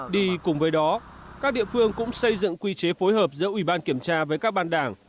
đi cùng với đó các địa phương cũng xây dựng quy chế phối hợp giữa ủy ban kiểm tra với các ban đảng